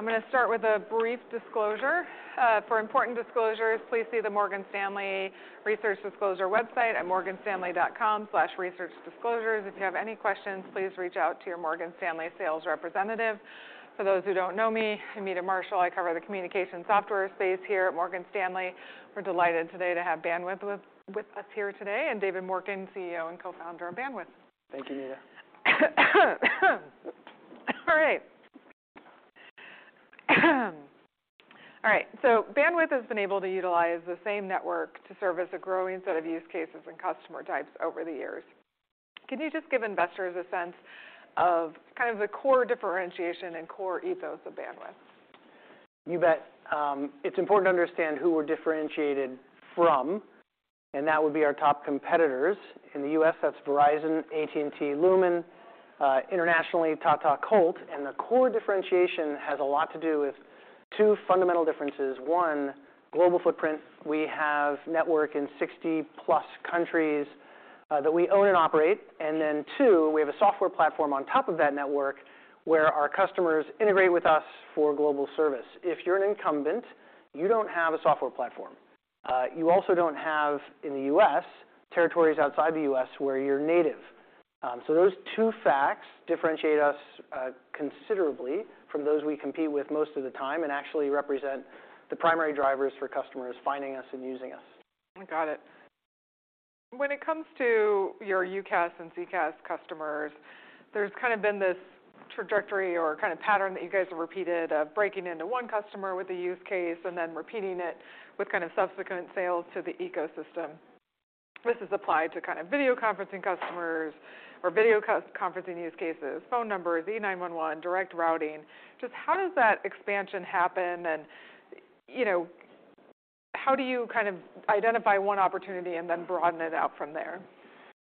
I'm gonna start with a brief disclosure. For important disclosures, please see the Morgan Stanley Research Disclosure website at morganstanley.com/researchdisclosures. If you have any questions, please reach out to your Morgan Stanley sales representative. For those who don't know me, I'm Meta Marshall. I cover the communication software space here at Morgan Stanley. We're delighted today to have Bandwidth with us here today, and David Morken, CEO and co-founder of Bandwidth. Thank you, Meta. All right. All right. Bandwidth has been able to utilize the same network to service a growing set of use cases and customer types over the years. Can you just give investors a sense of kind of the core differentiation and core ethos of Bandwidth? You bet. It's important to understand who we're differentiated from, that would be our top competitors. In the U.S., that's Verizon, AT&T, Lumen, internationally, Tata, Colt. The core differentiation has a lot to do with two fundamental differences. 1, global footprint. We have network in 60+ countries that we own and operate. 2, we have a software platform on top of that network where our customers integrate with us for global service. If you're an incumbent, you don't have a software platform. You also don't have, in the U.S., territories outside the U.S. where you're native. Those two facts differentiate us considerably from those we compete with most of the time and actually represent the primary drivers for customers finding us and using us. Got it. When it comes to your UCaaS and CCaaS customers, there's kind of been this trajectory or kind of pattern that you guys have repeated of breaking into one customer with a use case and then repeating it with kind of subsequent sales to the ecosystem. This is applied to kind of video conferencing customers or video conferencing use cases, phone numbers, E911, Direct Routing. Just how does that expansion happen? You know, how do you kind of identify one opportunity and then broaden it out from there?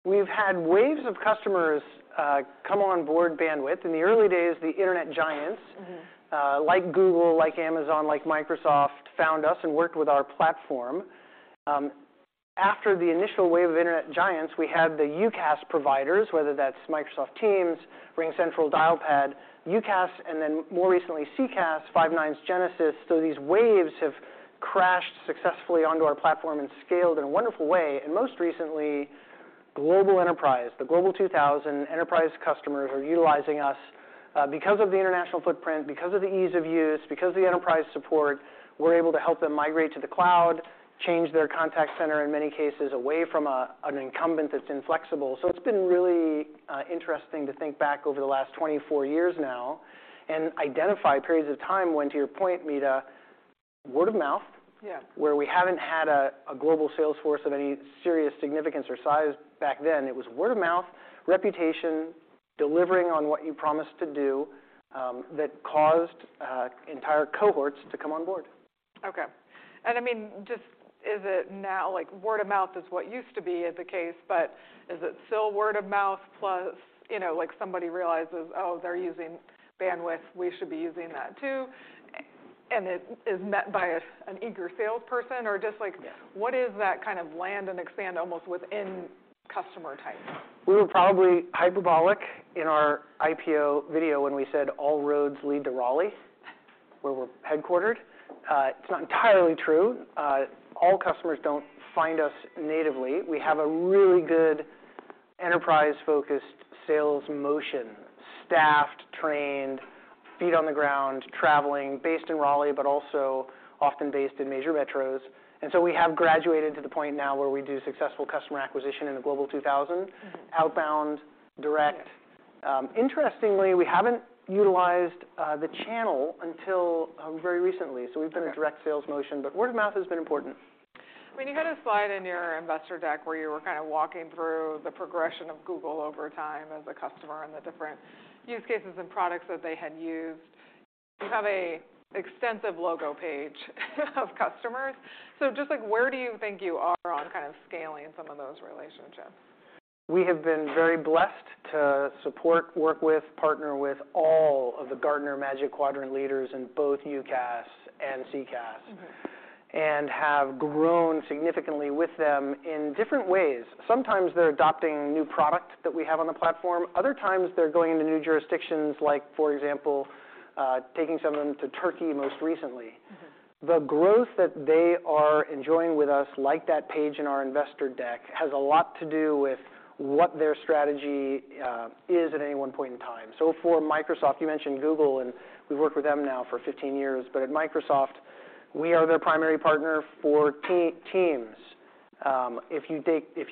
We've had waves of customers, come on board Bandwidth. In the early days, the internet giants- Mm-hmm... like Google, like Amazon, like Microsoft, found us and worked with our platform. After the initial wave of internet giants, we had the UCaaS providers, whether that's Microsoft Teams, RingCentral, Dialpad, UCaaS, and then more recently, CCaaS, Five9, Genesys. These waves have crashed successfully onto our platform and scaled in a wonderful way. Most recently, global enterprise. The Global 2000 enterprise customers are utilizing us because of the international footprint, because of the ease of use, because of the enterprise support. We're able to help them migrate to the cloud, change their contact center, in many cases, away from a, an incumbent that's inflexible. It's been really interesting to think back over the last 24 years now and identify periods of time when, to your point, Meta, word of mouth- Yeah... where we haven't had a global sales force of any serious significance or size back then. It was word of mouth, reputation, delivering on what you promised to do, that caused entire cohorts to come on board. Okay. I mean, just is it now, like, word of mouth is what used to be is the case, but is it still word of mouth plus, you know, like, somebody realizes, "Oh, they're using Bandwidth. We should be using that too," and it is met by a, an eager salesperson? Yeah What is that kind of land and expand almost within customer types? We were probably hyperbolic in our IPO video when we said, "All roads lead to Raleigh," where we're headquartered. It's not entirely true. All customers don't find us natively. We have a really good enterprise-focused sales motion, staffed, trained, feet on the ground, traveling, based in Raleigh, but also often based in major metros. We have graduated to the point now where we do successful customer acquisition in the Global 2000. Mm-hmm... outbound, direct. Interestingly, we haven't utilized the channel until very recently. Okay. We've been a direct sales motion, but word of mouth has been important. I mean, you had a slide in your investor deck where you were kind of walking through the progression of Google over time as a customer and the different use cases and products that they had used. You have an extensive logo page of customers. Just like where do you think you are on kind of scaling some of those relationships? We have been very blessed to support, work with, partner with all of the Gartner Magic Quadrant leaders in both UCaaS and CCaaS. Mm-hmm... and have grown significantly with them in different ways. Sometimes they're adopting new product that we have on the platform. Other times, they're going into new jurisdictions, like, for example, taking some of them to Turkey most recently. Mm-hmm. The growth that they are enjoying with us, like that page in our investor deck, has a lot to do with what their strategy is at any one point in time. For Microsoft, you mentioned Google, and we've worked with them now for 15 years. At Microsoft, we are their primary partner for Teams, if you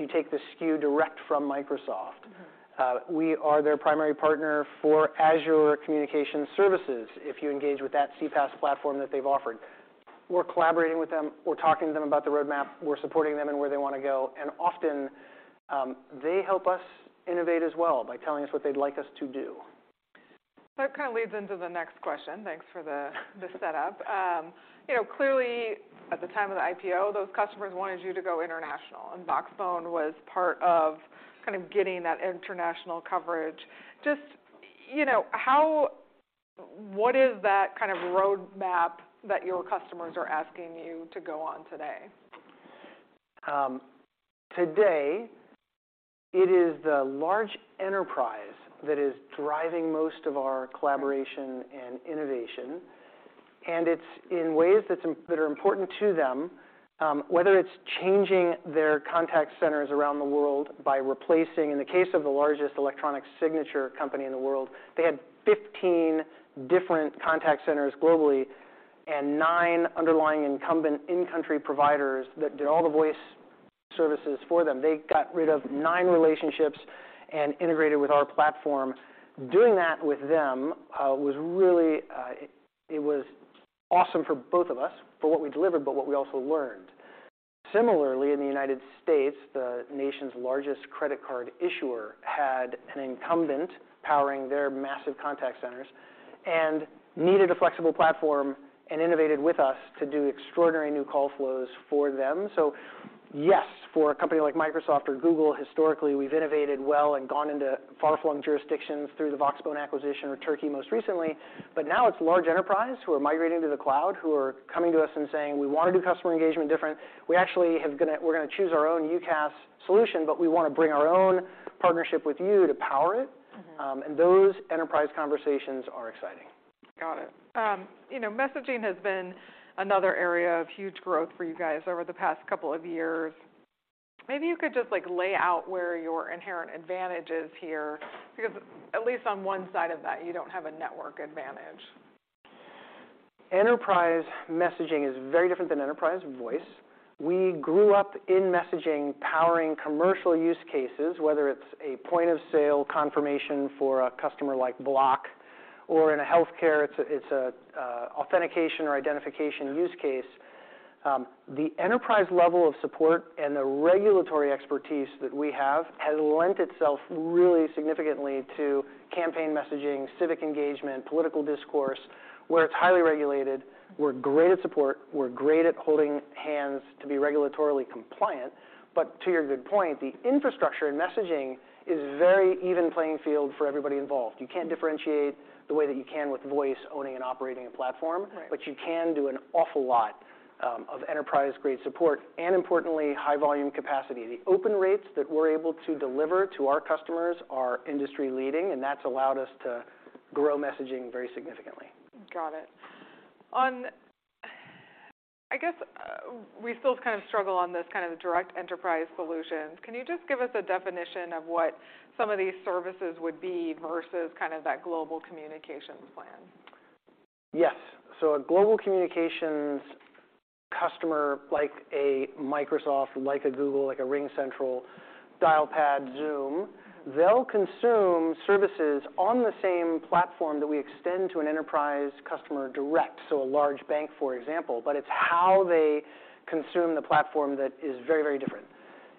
take the SKU direct from Microsoft. Mm-hmm. We are their primary partner for Azure Communication Services if you engage with that CPaaS platform that they've offered. We're collaborating with them. We're talking to them about the roadmap. We're supporting them in where they wanna go. Often, they help us innovate as well by telling us what they'd like us to do. That kind of leads into the next question. Thanks for the setup. You know, what is that kind of roadmap that your customers are asking you to go on today? Today it is the large enterprise that is driving most of our collaboration and innovation, and it's in ways that are important to them, whether it's changing their contact centers around the world by replacing... In the case of the largest electronic signature company in the world, they had 15 different contact centers globally and nine underlying incumbent in-country providers that did all the voice services for them. They got rid of nine relationships and integrated with our platform. Doing that with them, was really, it was awesome for both of us for what we delivered, but what we also learned. Similarly, in the United States, the nation's largest credit card issuer had an incumbent powering their massive contact centers and needed a flexible platform and innovated with us to do extraordinary new call flows for them. Yes, for a company like Microsoft or Google, historically, we've innovated well and gone into far-flung jurisdictions through the Voxbone acquisition or Turkey most recently, but now it's large enterprise who are migrating to the cloud, who are coming to us and saying, "We wanna do customer engagement different. We're gonna choose our own UCaaS solution, but we wanna bring our own partnership with you to power it. Mm-hmm. Those enterprise conversations are exciting. Got it. you know, messaging has been another area of huge growth for you guys over the past couple of years. Maybe you could just, like, lay out where your inherent advantage is here because at least on one side of that, you don't have a network advantage. Enterprise messaging is very different than enterprise voice. We grew up in messaging powering commercial use cases, whether it's a point-of-sale confirmation for a customer like Block or in a healthcare, it's a authentication or identification use case. The enterprise level of support and the regulatory expertise that we have has lent itself really significantly to campaign messaging, civic engagement, political discourse, where it's highly regulated. We're great at support. We're great at holding hands to be regulatorily compliant. To your good point, the infrastructure in messaging is very even playing field for everybody involved. You can't differentiate the way that you can with voice owning and operating a platform. Right. You can do an awful lot of enterprise-grade support and importantly, high volume capacity. The open rates that we're able to deliver to our customers are industry leading, and that's allowed us to grow messaging very significantly. Got it. I guess, we still kind of struggle on this kind of direct enterprise solutions. Can you just give us a definition of what some of these services would be versus kind of that global communications plan? Yes. A global communications customer, like a Microsoft, like a Google, like a RingCentral, Dialpad, Zoom, they'll consume services on the same platform that we extend to an enterprise customer direct, so a large bank, for example. It's how they consume the platform that is very, very different.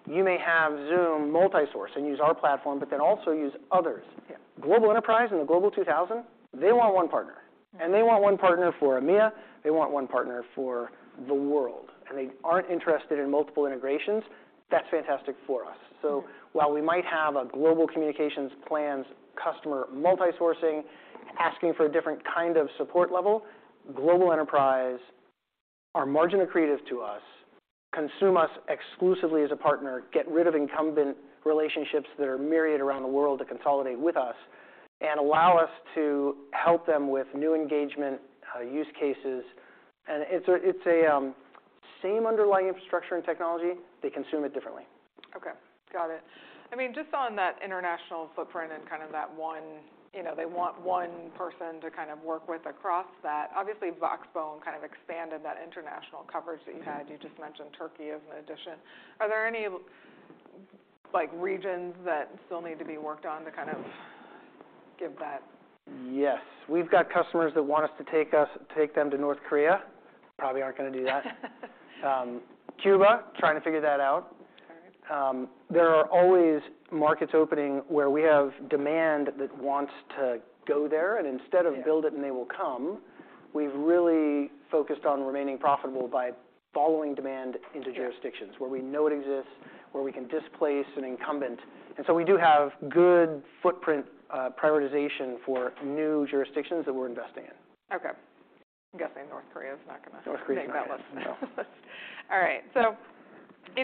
You may have Zoom multisource and use our platform, but then also use others. Yeah. Global enterprise in the Global 2000, they want one partner. Mm-hmm. They want one partner for EMEA. They want one partner for the world, and they aren't interested in multiple integrations. That's fantastic for us. Mm-hmm. While we might have a global communications plans customer multisourcing, asking for a different kind of support level, global enterprise are margin accretive to us, consume us exclusively as a partner, get rid of incumbent relationships that are myriad around the world to consolidate with us and allow us to help them with new engagement, use cases. It's a same underlying infrastructure and technology. They consume it differently. Okay. Got it. I mean, just on that international footprint and kind of that one, you know, they want one person to kind of work with across that, obviously Voxbone kind of expanded that international coverage that you had. Mm-hmm. You just mentioned Turkey as an addition. Are there any, like, regions that still need to be worked on to kind of give that? Yes. We've got customers that want us to take them to North Korea. Probably aren't gonna do that. Cuba, trying to figure that out. Okay. There are always markets opening where we have demand that wants to go there, and instead of. Yeah... and they will come, we've really focused on remaining profitable by following demand into jurisdictions- Yeah... where we know it exists, where we can displace an incumbent. We do have good footprint prioritization for new jurisdictions that we're investing in. Okay. I'm guessing North Korea is not... North Korea's not gonna- make that list. No. All right. You know,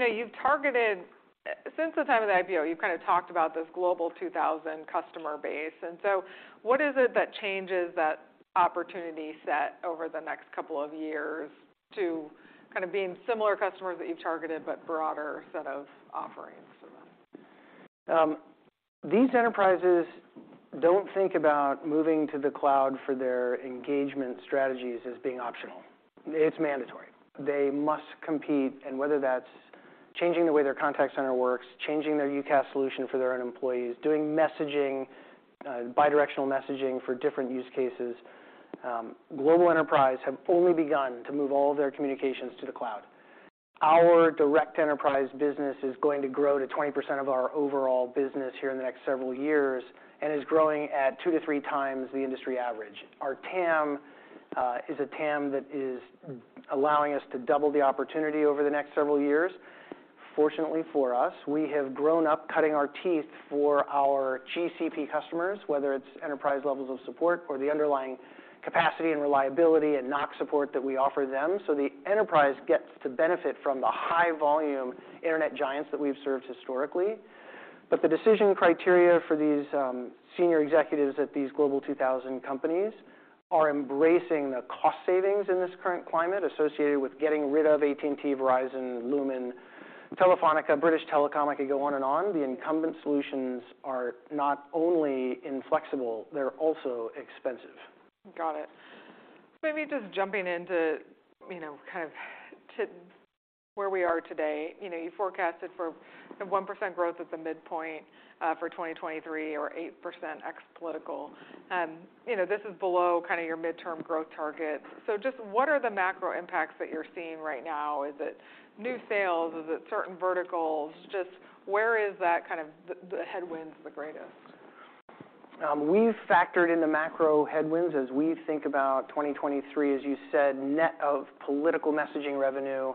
you've targeted, since the time of the IPO, you've kinda talked about this Global 2000 customer base. What is it that changes that opportunity set over the next couple of years to kind of being similar customers that you've targeted, but broader set of offerings to them? These enterprises don't think about moving to the cloud for their engagement strategies as being optional. It's mandatory. They must compete, whether that's changing the way their contact center works, changing their UCaaS solution for their own employees, doing messaging, bi-directional messaging for different use cases, global enterprise have only begun to move all their communications to the cloud. Our direct enterprise business is going to grow to 20% of our overall business here in the next several years, and is growing at 2-3 times the industry average. Our TAM is a TAM that is allowing us to double the opportunity over the next several years. Fortunately for us, we have grown up cutting our teeth for our GCP customers, whether it's enterprise levels of support or the underlying capacity and reliability and NOC support that we offer them. The enterprise gets to benefit from the high volume internet giants that we've served historically. The decision criteria for these senior executives at these Global 2000 companies are embracing the cost savings in this current climate associated with getting rid of AT&T, Verizon, Lumen, Telefónica, British Telecom. I could go on and on. The incumbent solutions are not only inflexible, they're also expensive. Got it. Maybe just jumping into, you know, kind of to where we are today. You know, you forecasted for a 1% growth at the midpoint, for 2023 or 8% ex-political. You know, this is below kinda your midterm growth target. Just what are the macro impacts that you're seeing right now? Is it new sales? Is it certain verticals? Just where is that kind of the headwinds the greatest? We've factored in the macro headwinds as we think about 2023, as you said, net of political messaging revenue,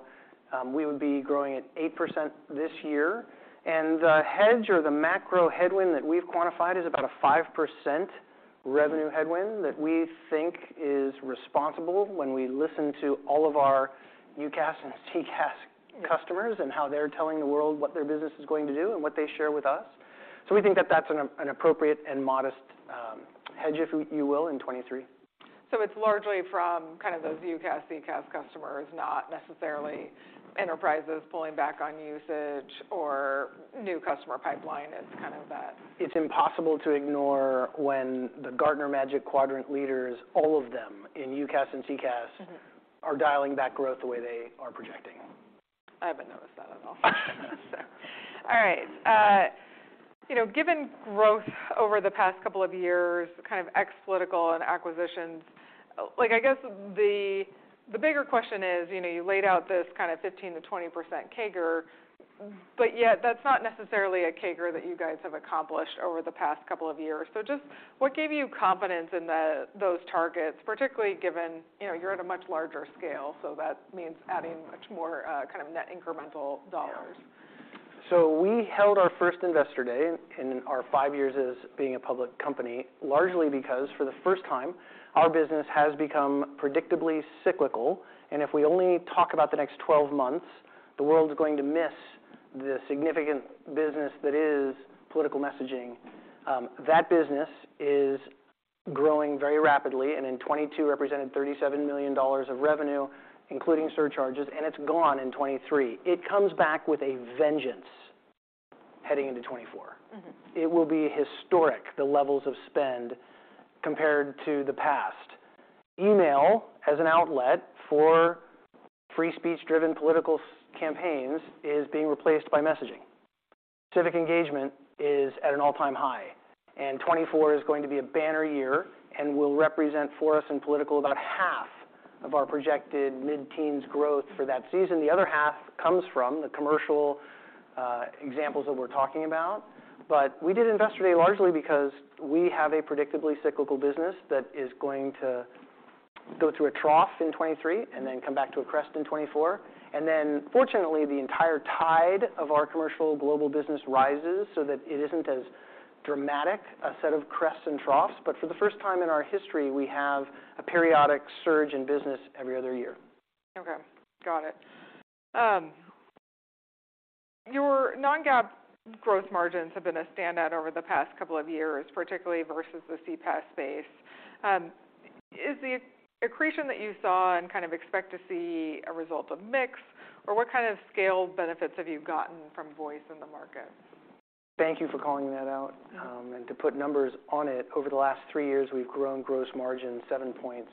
we would be growing at 8% this year. The hedge or the macro headwind that we've quantified is about a 5% revenue headwind that we think is responsible when we listen to all of our UCaaS and CCaaS customers and how they're telling the world what their business is going to do and what they share with us. We think that that's an appropriate and modest hedge, if you will, in 2023. It's largely from kind of those UCaaS, CCaaS customers, not necessarily enterprises pulling back on usage or new customer pipeline is kind of that. It's impossible to ignore when the Gartner Magic Quadrant leaders, all of them in UCaaS and CCaaS, are dialing back growth the way they are projecting. I haven't noticed that at all. All right. You know, given growth over the past couple of years, kind of ex-political and acquisitions, like, I guess, the bigger question is, you know, you laid out this kind of 15%-20% CAGR, but yet that's not necessarily a CAGR that you guys have accomplished over the past couple of years. Just what gave you confidence in the, those targets, particularly given, you know, you're at a much larger scale, so that means adding much more, kind of net incremental dollars? We held our first investor day in our five years as being a public company, largely because, for the first time, our business has become predictably cyclical, and if we only talk about the next 12 months, the world's going to miss the significant business that is political messaging. That business is growing very rapidly, and in 2022 represented $37 million of revenue, including surcharges, and it's gone in 2023. It comes back with a vengeance heading into 2024. Mm-hmm. It will be historic, the levels of spend compared to the past. Email as an outlet for free speech-driven political campaigns is being replaced by messaging. Civic engagement is at an all-time high, 2024 is going to be a banner year and will represent for us in political about half of our projected mid-teens growth for that season. The other half comes from the commercial examples that we're talking about. We did Investor Day largely because we have a predictably cyclical business that is going to go through a trough in 2023 and then come back to a crest in 2024. Fortunately, the entire tide of our commercial global business rises so that it isn't as dramatic a set of crests and troughs. For the first time in our history, we have a periodic surge in business every other year. Okay, got it. Your non-GAAP growth margins have been a standout over the past couple of years, particularly versus the CPaaS space. Is the accretion that you saw and kind of expect to see a result of mix, or what kind of scale benefits have you gotten from voice in the market? Thank you for calling that out. To put numbers on it, over the last three years, we've grown gross margin seven points,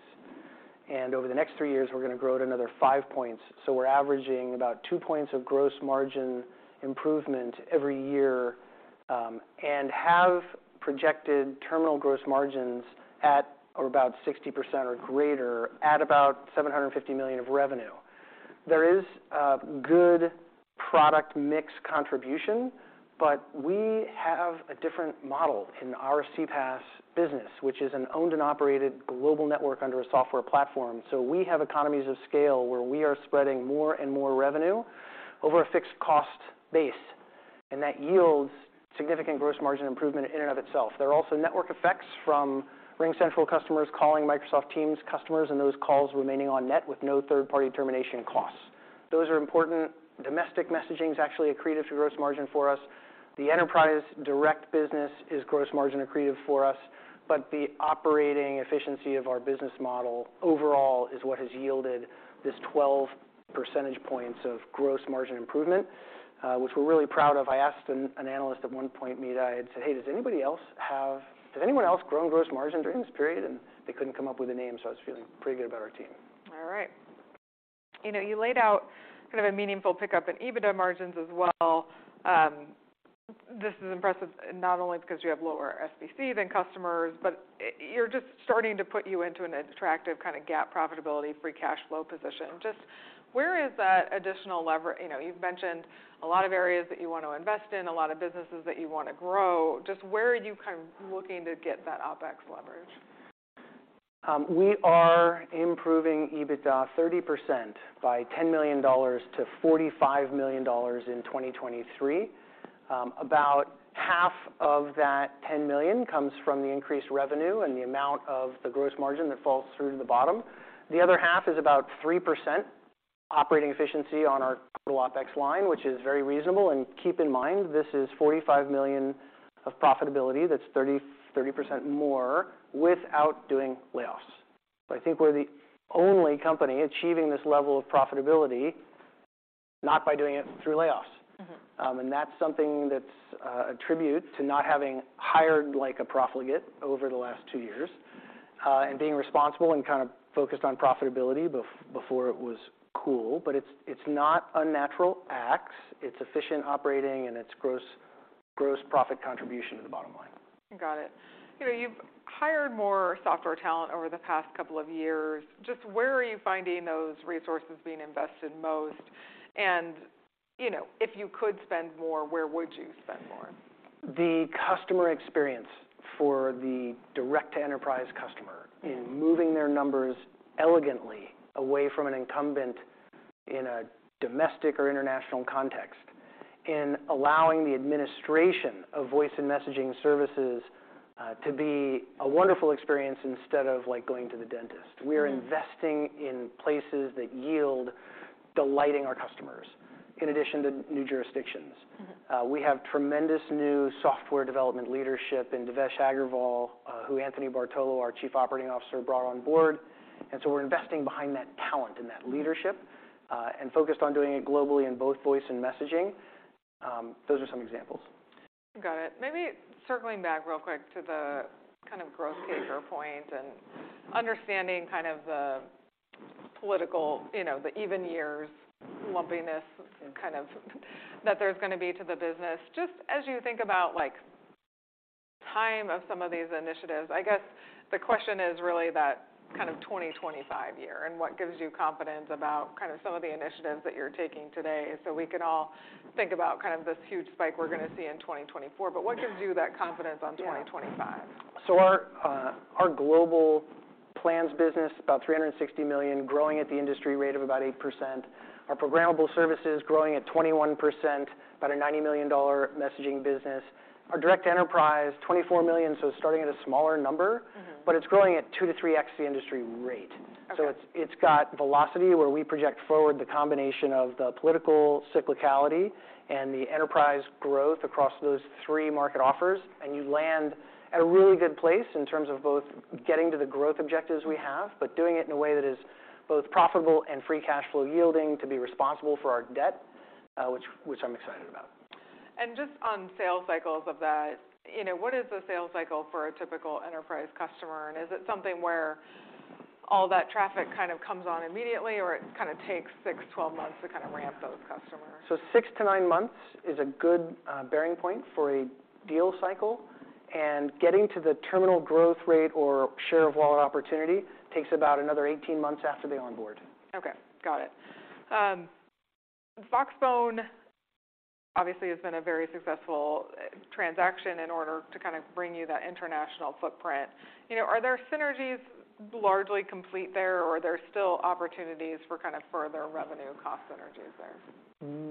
and over the next three years, we're gonna grow it another five points. We're averaging about two points of gross margin improvement every year and have projected terminal gross margins at or about 60% or greater at about $750 million of revenue. There is a good product mix contribution, but we have a different model in our CPaaS business, which is an owned and operated global network under a software platform. We have economies of scale where we are spreading more and more revenue over a fixed cost base, and that yields significant gross margin improvement in and of itself. There are also network effects from RingCentral customers calling Microsoft Teams customers, and those calls remaining on net with no third-party termination costs. Those are important. Domestic messaging is actually accretive to gross margin for us. The enterprise direct business is gross margin accretive for us, but the operating efficiency of our business model overall is what has yielded this 12 percentage points of gross margin improvement, which we're really proud of. I asked an analyst at one point, Meta, I had said, "Hey, Has anyone else grown gross margin during this period?" They couldn't come up with a name, so I was feeling pretty good about our team. All right. You know, you laid out kind of a meaningful pickup in EBITDA margins as well. This is impressive not only because you have lower SBC than customers, but you're just starting to put you into an attractive kind of GAAP profitability, free cash flow position. Just where is that additional lever? You know, you've mentioned a lot of areas that you want to invest in, a lot of businesses that you want to grow. Just where are you kind of looking to get that OpEx leverage? We are improving EBITDA 30% by $10 million to $45 million in 2023. About half of that $10 million comes from the increased revenue and the amount of the gross margin that falls through to the bottom. The other half is about 3% operating efficiency on our total OpEx line, which is very reasonable. Keep in mind, this is $45 million of profitability. That's 30% more without doing layoffs. I think we're the only company achieving this level of profitability, not by doing it through layoffs. Mm-hmm. That's something that's a tribute to not having hired like a profligate over the last two years and being responsible and kind of focused on profitability before it was cool. It's not unnatural acts, it's efficient operating and it's gross profit contribution to the bottom line. Got it. You know, you've hired more software talent over the past couple of years. Just where are you finding those resources being invested most? You know, if you could spend more, where would you spend more? The customer experience for the direct enterprise customer. Mm. In moving their numbers elegantly away from an incumbent in a domestic or international context. In allowing the administration of voice and messaging services, to be a wonderful experience instead of like going to the dentist. Mm. We're investing in places that yield delighting our customers in addition to new jurisdictions. Mm-hmm. We have tremendous new software development leadership in Devesh Agarwal, who Anthony Bartolo, our Chief Operating Officer, brought on board. We're investing behind that talent and that leadership, and focused on doing it globally in both voice and messaging. Those are some examples. Got it. Maybe circling back real quick to the kind of growth kicker point and understanding kind of the political, you know, the even years lumpiness kind of that there's gonna be to the business. Just as you think about, like, time of some of these initiatives, I guess the question is really that kind of 2025 year, and what gives you confidence about kind of some of the initiatives that you're taking today so we can all think about kind of this huge spike we're gonna see in 2024. What gives you that confidence on 2025? Our global plans business, about $360 million, growing at the industry rate of about 8%. Our programmable services growing at 21%, about a $90 million messaging business. Our direct enterprise, $24 million, starting at a smaller number. Mm-hmm. It's growing at 2x-3x the industry rate. Okay. It's got velocity, where we project forward the combination of the political cyclicality and the enterprise growth across those three market offers, and you land at a really good place in terms of both getting to the growth objectives we have, but doing it in a way that is both profitable and free cash flow yielding to be responsible for our debt, which I'm excited about. Just on sales cycles of that, you know, what is the sales cycle for a typical enterprise customer? Is it something where all that traffic kind of comes on immediately, or it kind of takes 6, 12 months to kind of ramp those customers? Six to nine months is a good bearing point for a deal cycle. Getting to the terminal growth rate or share of wallet opportunity takes about another 18 months after they onboard. Okay, got it. Voxbone obviously has been a very successful transaction in order to kind of bring you that international footprint. You know, are there synergies largely complete there, or are there still opportunities for kind of further revenue cost synergies there?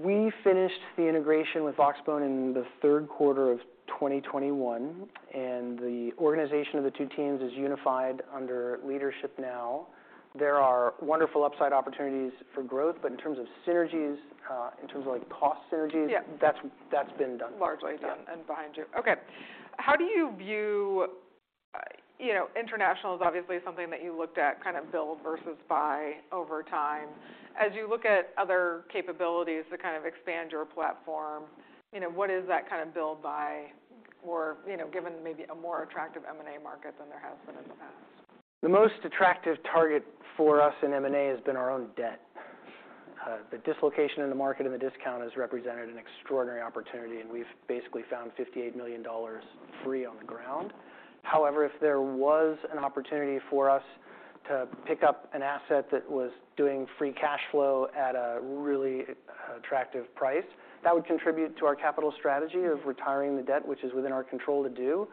We finished the integration with Voxbone in the Q3 of 2021, and the organization of the two teams is unified under leadership now. There are wonderful upside opportunities for growth. In terms of synergies, in terms of like cost synergies. Yeah. that's been done. Largely done. Yeah. Behind you. Okay. How do you view, you know, international is obviously something that you looked at kind of build versus buy over time. As you look at other capabilities to kind of expand your platform, you know, what is that kind of build, buy or, you know, given maybe a more attractive M&A market than there has been in the past? The most attractive target for us in M&A has been our own debt. The dislocation in the market and the discount has represented an extraordinary opportunity, and we've basically found $58 million free on the ground. If there was an opportunity for us to pick up an asset that was doing free cash flow at a really attractive price, that would contribute to our capital strategy of retiring the debt, which is within our control to do.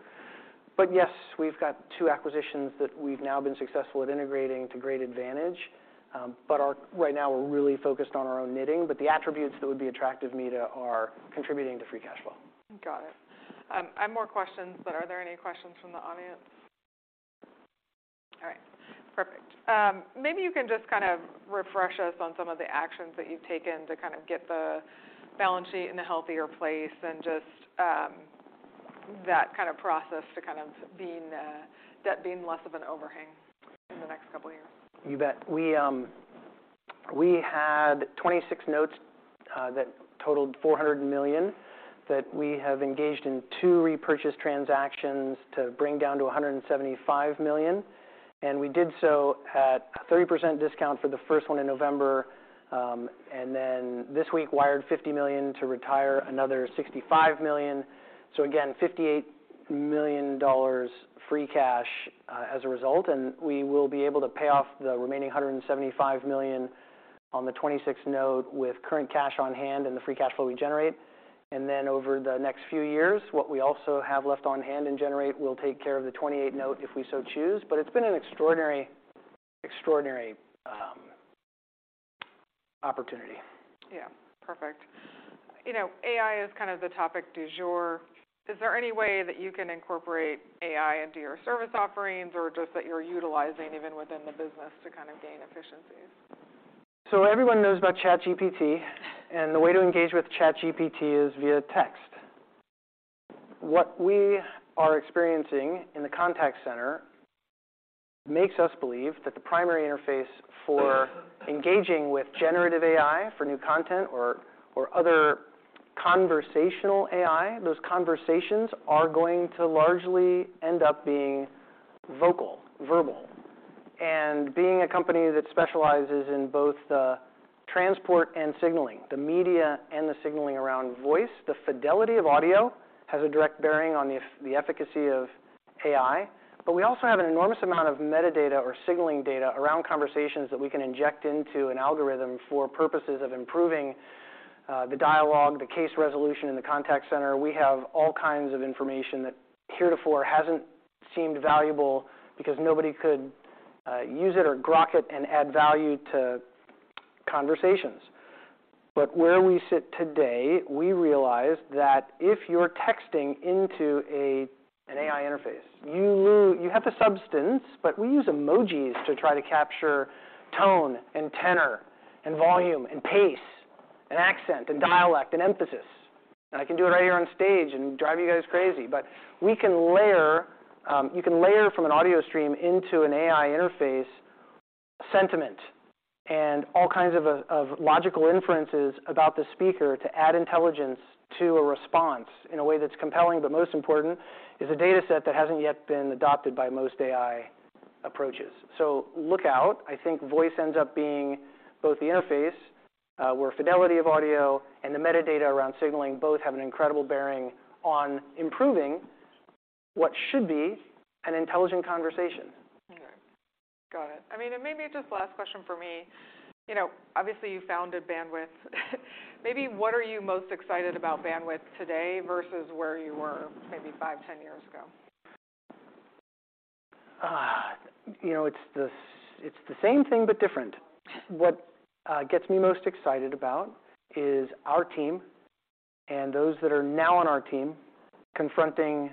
Yes, we've got two acquisitions that we've now been successful at integrating to great advantage. Right now we're really focused on our own knitting, the attributes that would be attractive to me are contributing to free cash flow. Got it. I have more questions, but are there any questions from the audience? All right. Perfect. Maybe you can just kind of refresh us on some of the actions that you've taken to kind of get the balance sheet in a healthier place and just that kind of process to kind of being, debt being less of an overhang in the next couple of years. You bet. We had 2026 Notes that totaled $400 million that we have engaged in two repurchase transactions to bring down to $175 million. We did so at a 30% discount for the first one in November. This week wired $50 million to retire another $65 million. Again, $58 million free cash as a result, and we will be able to pay off the remaining $175 million on the 2026 Note with current cash on hand and the free cash flow we generate. Over the next few years, what we also have left on hand and generate will take care of the 2028 Notes if we so choose. It's been an extraordinary opportunity. Perfect. You know, AI is kind of the topic du jour. Is there any way that you can incorporate AI into your service offerings or just that you're utilizing even within the business to kind of gain efficiencies? Everyone knows about ChatGPT, the way to engage with ChatGPT is via text. What we are experiencing in the contact center makes us believe that the primary interface for engaging with generative AI for new content or other conversational AI, those conversations are going to largely end up being vocal, verbal. Being a company that specializes in both the transport and signaling, the media and the signaling around voice, the fidelity of audio has a direct bearing on the efficacy of AI. We also have an enormous amount of metadata or signaling data around conversations that we can inject into an algorithm for purposes of improving the dialogue, the case resolution in the contact center. We have all kinds of information that heretofore hasn't seemed valuable because nobody could use it or grok it and add value to conversations. Where we sit today, we realize that if you're texting into an AI interface, you have the substance, but we use emojis to try to capture tone and tenor and volume and pace and accent and dialect and emphasis. I can do it right here on stage and drive you guys crazy. We can layer, you can layer from an audio stream into an AI interface sentiment and all kinds of logical inferences about the speaker to add intelligence to a response in a way that's compelling, but most important, is a data set that hasn't yet been adopted by most AI approaches. Look out. I think voice ends up being both the interface, where fidelity of audio and the metadata around signaling both have an incredible bearing on improving what should be an intelligent conversation. Okay. Got it. I mean, and maybe just last question from me. You know, obviously, you founded Bandwidth. Maybe what are you most excited about Bandwidth today versus where you were maybe 5, 10 years ago? You know, it's the same thing, but different. What gets me most excited about is our team and those that are now on our team confronting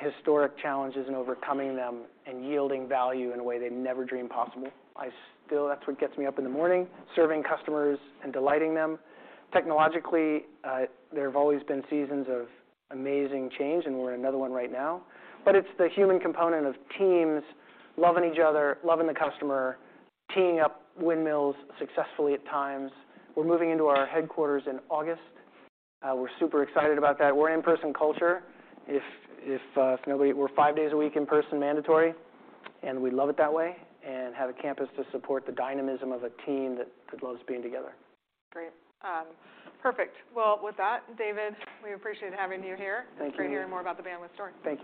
historic challenges and overcoming them and yielding value in a way they never dreamed possible. That's what gets me up in the morning, serving customers and delighting them. Technologically, there have always been seasons of amazing change, and we're in another one right now. It's the human component of teams loving each other, loving the customer, teeing up windmills successfully at times. We're moving into our headquarters in August. We're super excited about that. We're in-person culture. We're five days a week in person mandatory, and we love it that way, and have a campus to support the dynamism of a team that loves being together. Great. Perfect. With that, David, we appreciate having you here. Thank you. It's great hearing more about the Bandwidth story. Thank you.